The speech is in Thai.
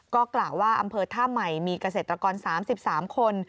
ก็กล่าวว่าอำเภอท่าใหม่มีเกษตรกร๓๓คน